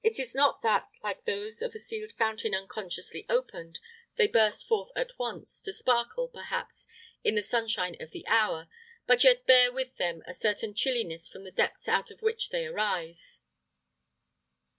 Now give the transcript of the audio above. Is it not that, like those of a sealed fountain unconsciously opened, they burst forth at once, to sparkle, perhaps, in the sunshine of the hour, but yet bear with them a certain chilliness from the depths out of which they arise?